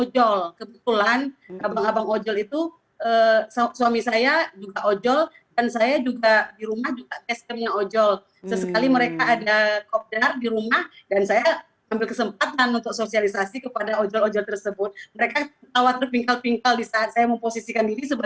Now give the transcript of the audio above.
cabang walau terbitul anda pasang adek